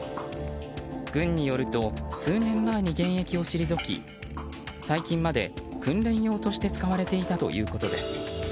軍によると数年前に現役を退き最近まで訓練用として使われていたということです。